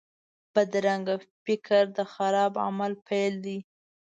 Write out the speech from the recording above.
بدرنګه فکر د خراب عمل پیل وي